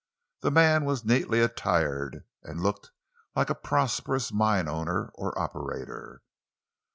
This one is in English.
The man was neatly attired, and looked like a prosperous mine owner or operator.